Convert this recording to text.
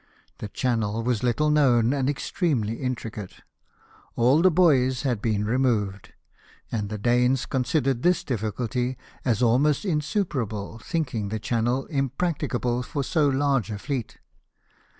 The channel was little known and extremely intricate; all the buoys had been removed ; and the Danes considered this diffi culty as almost insuperable, thinking the channel im practicable for so large a fleet.